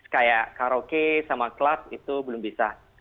kayak karaoke sama club itu belum bisa